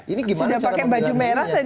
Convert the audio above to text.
ini gimana cara memilihannya